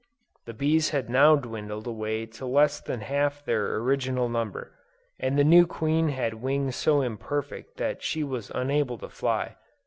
The bees had now dwindled away to less than half their original number, and the new queen had wings so imperfect that she was unable to fly.